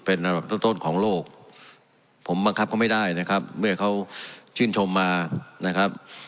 เป็นระดับต้นของโลกผมบังคับเขาไม่ได้นะครับเมื่อเขาชื่นชมมานะครับ